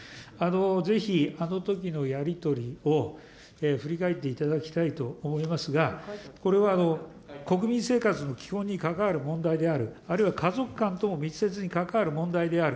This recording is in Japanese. ぜひあのときのやり取りを振り返っていただきたいと思いますが、これは国民生活の基本に関わる問題である、あるいは家族観とも密接に関わる問題である。